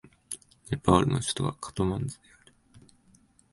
ネパールの首都はカトマンズである